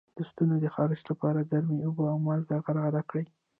د ستوني د خارش لپاره ګرمې اوبه او مالګه غرغره کړئ